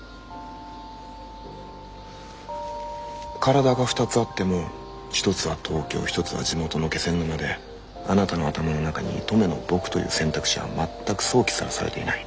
体が２つあっても１つは東京１つは地元の気仙沼であなたの頭の中に登米の僕という選択肢は全く想起すらされていない。